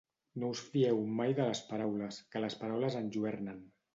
No us fieu mai de les paraules, que les paraules enlluernen